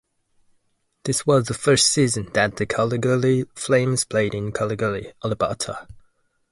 This was the first season that the Calgary Flames played in Calgary, Alberta.